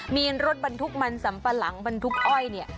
มีรถบรรทุกมันสัมปะหลังบรรทุกอ้อยเนี่ย